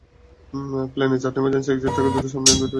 প্লেনে চারটে emergency exit থাকে, দুটো সামনে এবং দুটো পেছনে।